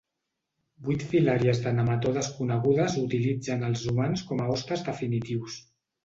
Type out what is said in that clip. Vuit filàries de nematodes conegudes utilitzen els humans com a hostes definitius.